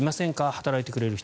働いてくれる人。